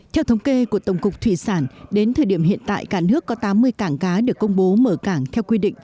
theo thống kê của tổng cục thủy sản đến thời điểm hiện tại cả nước có tám mươi cảng cá được công bố mở cảng theo quy định